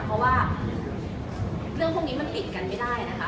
เพราะว่าเรื่องพวกนี้มันปิดกันไม่ได้นะคะ